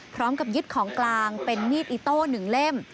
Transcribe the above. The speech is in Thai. พร้อมกับยึดของกลางเป็นมีดอิโต้๑เล่ม